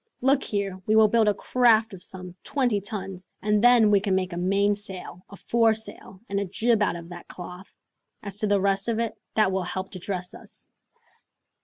Look here, we will build a craft of some twenty tons, and then we can make a main sail, a foresail, and a jib out of that cloth. As to the rest of it, that will help to dress us."